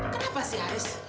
kenapa sih haris